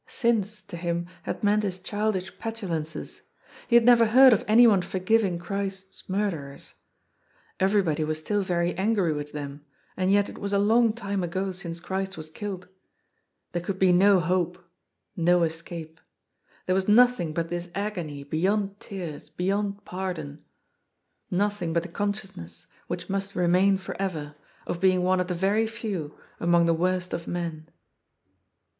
^^ Sins " to him had meant his childish petulances. He had never heard of anyone for giving Christ's murderers. Everybody was still very angry with them, and yet it was a long time ago since Christ was killed. There could be no hope, no escape. There was nothing but this agony, beyond tears, beyond pardon. Nothing but the consciousness, which must remain forever, of being one of the very few among the worst of men.